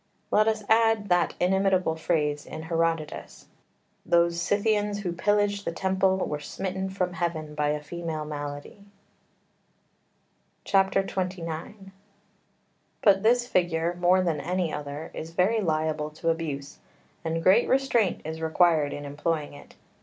Let us add that inimitable phrase in Herodotus: "Those Scythians who pillaged the temple were smitten from heaven by a female malady." [Footnote 2: Cyrop. i. 5. 12.] XXIX But this figure, more than any other, is very liable to abuse, and great restraint is required in employing it.